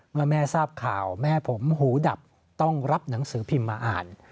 เมื่อแม่ทราบข่าวแม่ผมหูดับต้องรับหนังสือพิมพ์มาอ่าน